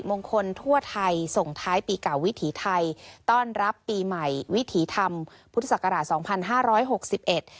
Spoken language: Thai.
มงคลทั่วไทยส่งท้ายปีเก่าวิถีไทยต้อนรับปีใหม่วิถีธรรมพุทธศักราชสองพันห้าร้อยหกสิบเอ็ด